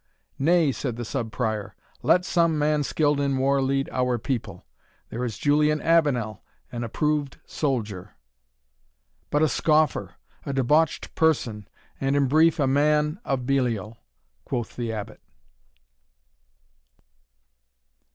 "Nay," said the Sub Prior, "let some man skilled in war lead our people there is Julian Avenel, an approved soldier." "But a scoffer, a debauched person, and, in brief, a man of Belial," quoth the Abbot.